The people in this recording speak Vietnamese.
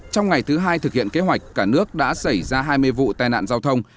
trong ngày thứ hai thực hiện kế hoạch cả nước đã xảy ra hai mươi vụ tai nạn giao thông